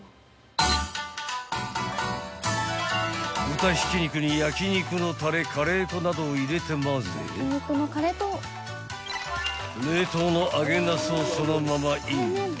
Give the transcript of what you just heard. ［豚ひき肉に焼肉のたれカレー粉などを入れてまぜ冷凍の揚げなすをそのままイン］